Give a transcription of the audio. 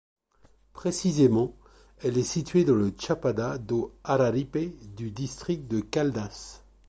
Précisément, elle est située dans le Chapada do Araripe du district de Caldas.